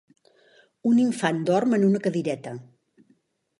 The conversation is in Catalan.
Un infant dorm en una cadireta.